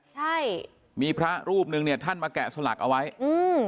ใช่มีพระรูปหนึ่งเนี่ยท่านมาแกะสลักเอาไว้อืม